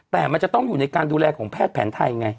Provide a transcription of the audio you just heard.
แต่มันจะต้องอยู่ในการดูแลของแพทย์แผนไทยไง